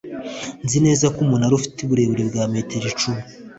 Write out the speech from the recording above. Nzi neza ko umunara ufite uburebure bwa metero icumi